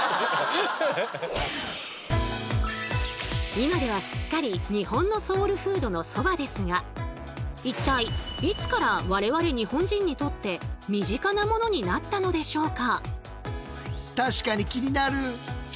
今ではすっかり日本のソウルフードのそばですが一体いつから我々日本人にとって身近なものになったのでしょうか？